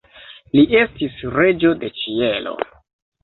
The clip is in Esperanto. Li estis Reĝo de Ĉielo.